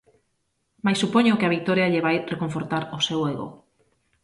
Mais supoño que a vitoria lle vai reconfortar o seu ego.